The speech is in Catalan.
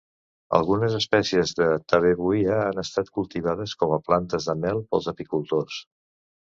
Algunes espècies de "Tabebuia" han estat cultivades com a plantes de mel pels apicultors.